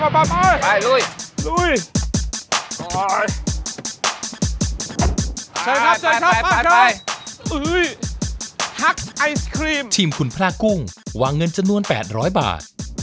ไปทักไอศครีมชิ้มขวัลกุ้งวางเงินจนนวนแปดร้อยบาท